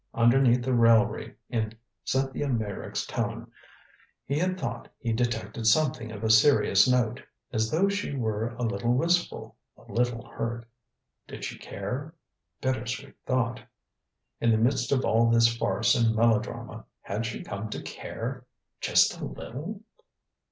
Underneath the raillery in Cynthia Meyrick's tone he had thought he detected something of a serious note as though she were a little wistful a little hurt. Did she care? Bitter sweet thought! In the midst of all this farce and melodrama, had she come to care? just a little?